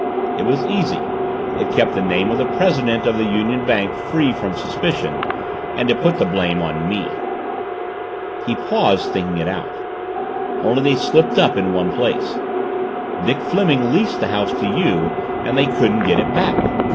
It was easy; it kept the name of the president of the Union Bank free from suspicion and it put the blame on me." He paused, thinking it out. "Only they slipped up in one place. Dick Fleming leased the house to you and they couldn't get it back."